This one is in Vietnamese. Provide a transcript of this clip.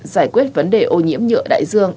giải quyết vấn đề ô nhiễm nhựa đại dương